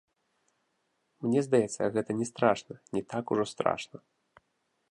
Мне здаецца, гэта не страшна, не так ужо страшна.